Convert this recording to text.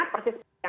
persis sama senyum